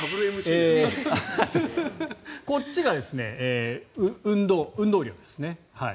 こっちが運動量ですね。